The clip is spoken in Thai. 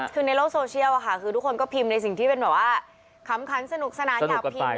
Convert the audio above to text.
คือในโลกโซเชียลค่ะทุกคนก็พิมพ์ในสิ่งที่เป็นคำคัญสนุกสนานอยากพิมพ์แหละ